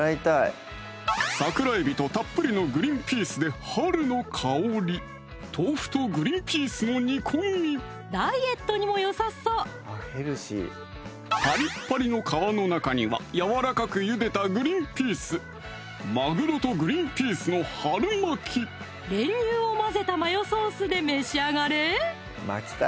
桜えびとたっぷりのグリンピースで春の香りダイエットにもよさそうパリッパリの皮の中にはやわらかくゆでたグリンピース練乳を混ぜたマヨソースで召し上がれ